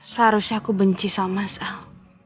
seharusnya aku benci sama sal